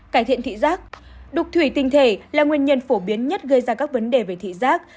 cải thiện thị giác đục thủy tinh thể là nguyên nhân phổ biến nhất gây ra các vấn đề về thị giác